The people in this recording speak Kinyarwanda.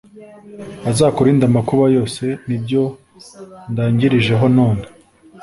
Azakurinde amakuba yoseNi ibyo ndangirijeho none